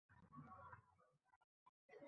Agar bu gap ma’qul bo‘lsa edi.